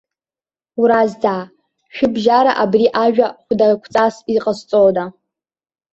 Уразҵаа, шәыбжьара абри ажәа хәдақәҵас иҟазҵода?